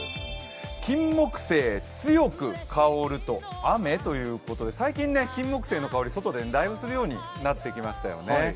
キンモクセイ強く香ると雨？ということで最近キンモクセイの香り、外でだいぶするようになってきましたよね。